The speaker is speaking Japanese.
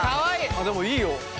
でもいいよ。